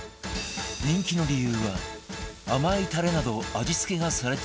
人気の理由は甘いタレなど味付けがされていない事